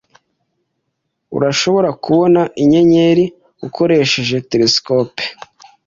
Urashobora kubona inyenyeri ukoresheje telesikope.